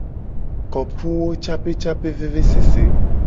Kopuwocapecapevevesese.